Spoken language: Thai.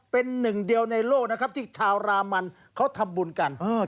เป็นหนึ่งเดียวในโลกนะครับที่ชาวรามันเขาทำบุญกัน